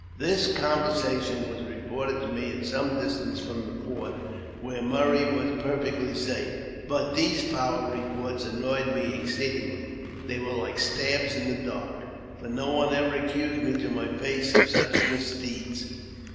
This conversation was reported to me at some distance from the fort, where Murray was perfectly safe. But these foul reports annoyed me exceedingly. They were like stabs in the dark, for no one ever accused me to my face of such mis deeds.